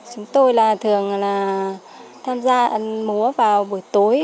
chúng tôi là thường tham gia ăn múa vào buổi tối